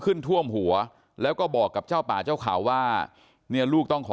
ขึ้นท่วมหัวแล้วก็บอกกับเจ้าป่าเจ้าข่าวว่าเนี่ยลูกต้องขอ